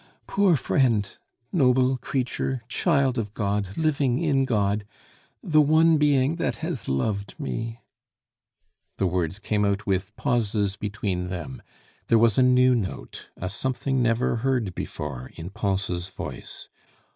"Poor friend, noble creature, child of God, living in God!... The one being that has loved me...." The words came out with pauses between them; there was a new note, a something never heard before, in Pons' voice.